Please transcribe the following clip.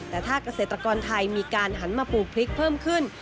แต่ถ้าเกษตรกรไทยมีการหันมาปลูกพริกเพิ่มขึ้น